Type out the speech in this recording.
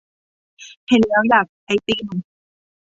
เห็นแล้วอยากไอติม